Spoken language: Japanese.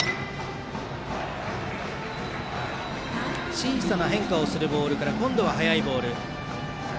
小さな変化をするボールから今度は速いボール。